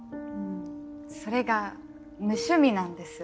それが無趣味なんです。